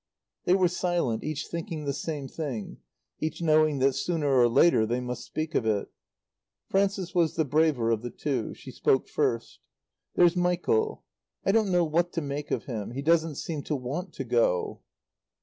They were silent, each thinking the same thing; each knowing that sooner or later they must speak of it. Frances was the braver of the two. She spoke first. "There's Michael. I don't know what to make of him. He doesn't seem to want to go."